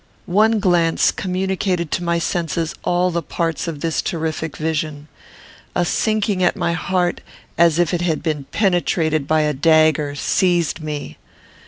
One glance communicated to my senses all the parts of this terrific vision. A sinking at my heart, as if it had been penetrated by a dagger, seized me.